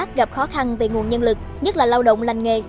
phòng cảnh sát gặp khó khăn về nguồn nhân lực nhất là lao động lành nghề